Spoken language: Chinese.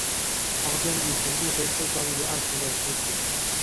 房间里全部都是关于爱情的书籍。